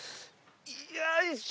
よいしょ！